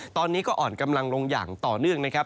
ตอนนี้ก็อ่อนกำลังลงอย่างต่อเนื่องนะครับ